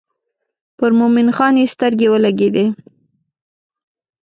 پر مومن خان یې سترګې ولګېدې.